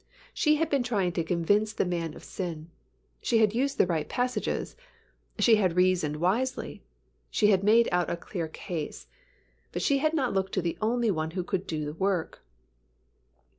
She had been trying to convince the man of sin. She had used the right passages; she had reasoned wisely; she had made out a clear case, but she had not looked to the only One who could do the work.